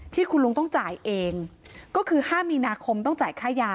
ที่คุณลุงต้องจ่ายเองก็คือ๕มีนาคมต้องจ่ายค่ายา